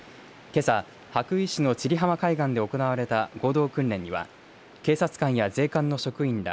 けさ羽咋市の千里浜海岸で行われた合同訓練には警察官や税関の職員ら